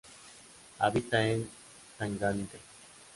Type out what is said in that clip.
Habita en Tanganica.